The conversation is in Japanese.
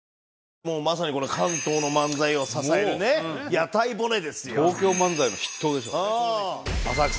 もうまさにこの関東の漫才を支えるね屋台骨ですよ。